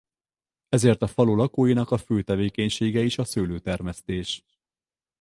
Ezért a falu lakóinak a fő tevékenysége is a szőlőtermesztés.